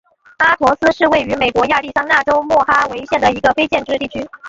阿陀斯是位于美国亚利桑那州莫哈维县的一个非建制地区。